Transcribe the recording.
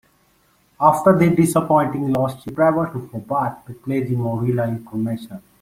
After the disappointing loss, she travelled to Hobart to play the Moorilla International.